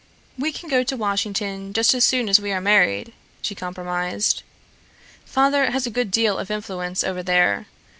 "We can go to Washington just as soon as we are married," she compromised. "Father has a great deal of influence over there.